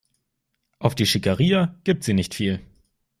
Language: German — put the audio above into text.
Auf die Schickeria gibt sie nicht viel.